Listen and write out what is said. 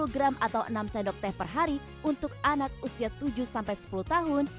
sepuluh gram atau enam sendok teh per hari untuk anak usia tujuh sampai sepuluh tahun